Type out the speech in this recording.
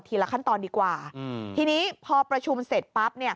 ทีละขั้นตอนดีกว่าทีนี้พอประชุมเสร็จปั๊บ